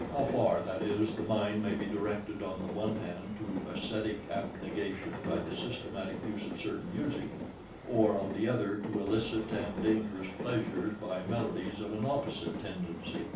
How far, that is, the mind may be directed on the one hand to ascetic abnegation by the systematic use of certain music, or on the other to illicit and dangerous pleasures by melodies of an opposite tendency.